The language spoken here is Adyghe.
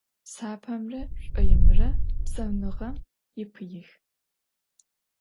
Sapemre ş'oimre psaunığem yipıix.